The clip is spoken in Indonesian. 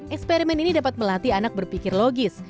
eksperimen ini dapat melatih anak berpikir logis